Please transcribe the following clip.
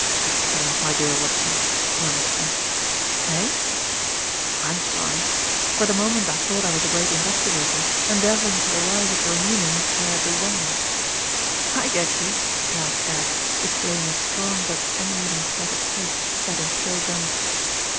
"Excellent, my dear Watson," murmured Smith. "Eh?" "I'm sorry. For the moment I thought I was a great investigator endeavouring to arrive at your meaning via 'the wang.' ' "I get you," laughed Eric, displaying a strong but uneven set of teeth set in pale gums.